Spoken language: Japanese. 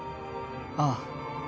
ああ。